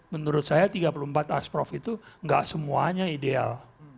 menurut saya tiga puluh empat asprof itu nggak semuanya ideal